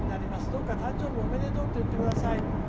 どうか誕生日おめでとうと言ってください」。